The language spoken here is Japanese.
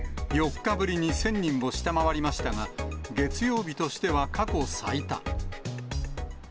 ４日ぶりに１０００人を下回りましたが、月曜日としては過去最多。